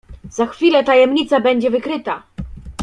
"Za chwilę tajemnica będzie wykryta!"